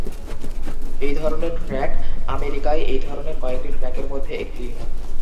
এই ধরনের ট্র্যাক আমেরিকায় এই ধরনের কয়েকটি ট্র্যাকের মধ্যে একটি।